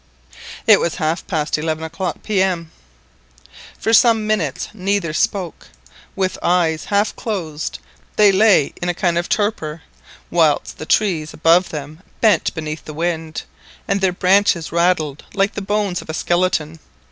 It was half past eleven o'clock P.M. For some minutes neither spoke. With eyes half closed they lay in a kind of torpor, whilst the trees above them bent beneath the wind, and their branches rattled like the bones of a skeleton.